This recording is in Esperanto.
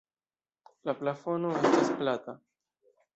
La plafono estas plata.